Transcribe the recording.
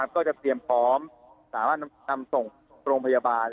ก็จะเตรียมพร้อมสามารถนำส่งโรงพยาบาล